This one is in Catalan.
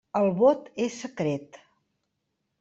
El vot és secret.